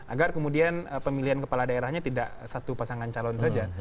agar kemudian pemilihan kepala daerahnya tidak satu pasangan calon saja